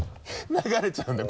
流れちゃうんだよ